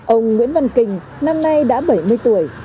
ông nguyễn văn kình năm nay đã bảy mươi tuổi